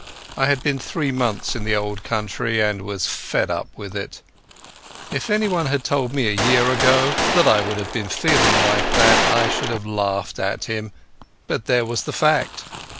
I had been three months in the Old Country, and was fed up with it. If anyone had told me a year ago that I would have been feeling like that I should have laughed at him; but there was the fact.